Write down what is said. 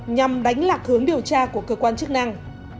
nhằm đánh lạc hướng điều tra của cơ quan chức năng